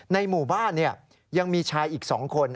ในหมู่บ้านยังมีชายอีก๒คน